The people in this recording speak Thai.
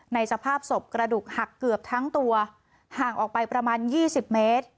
สภาพศพกระดูกหักเกือบทั้งตัวห่างออกไปประมาณ๒๐เมตร